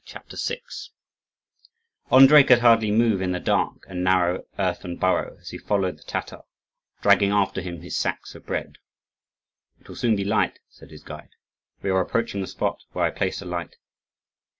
CHAPTER VI Andrii could hardly move in the dark and narrow earthen burrow, as he followed the Tatar, dragging after him his sacks of bread. "It will soon be light," said his guide: "we are approaching the spot where I placed a light."